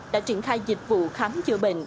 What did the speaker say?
đã triển khai dịch vụ khám chữa bệnh